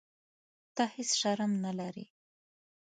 ته هیح شرم نه لرې.